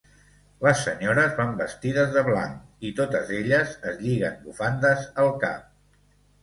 Les senyores van vestides de blanc i totes elles es lliguen bufandes al cap.